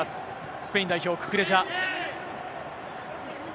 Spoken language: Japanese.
スペイン代表、ククレジャ。